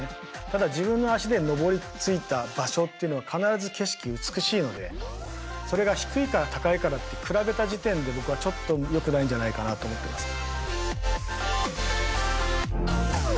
ただ自分の足で登りついた場所っていうのは必ず景色美しいのでそれが低いから高いからって比べた時点で僕はちょっとよくないんじゃないかなと思ってます。